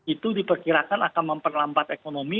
itu diperkirakan akan memperlambat ekonomi